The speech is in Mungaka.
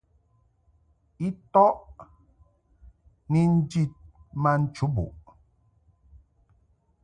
I ntɔʼ ni njid ma nchubuʼ.